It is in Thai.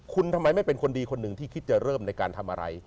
คุณทำไมไม่เป็นคนดีคนหนึ่งที่คิดจะเริ่มในการทำอะไร